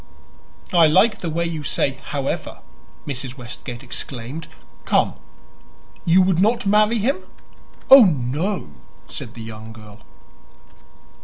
"I like the way you say 'however,'" Mrs. Westgate exclaimed. "Come; you would not marry him?" "Oh, no," said the young girl.